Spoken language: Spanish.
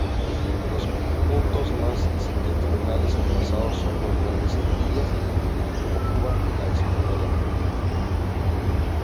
Los puntos más septentrionales alcanzados son las Grandes Antillas, como Cuba y La Española.